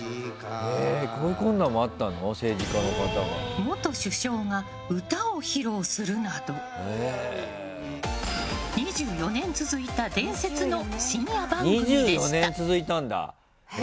元首相が歌を披露するなど２４年続いた伝説の深夜番組でした。